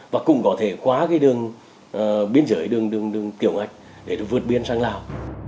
và cũng có thể khóa đường biên giới đường tiểu ngạch để vượt biên sang lào